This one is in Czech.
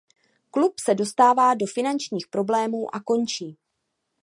Klub se dostává do finančních problému a končí.